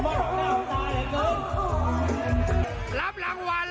มารับรางวัลนิ้วหน่อยหน่อย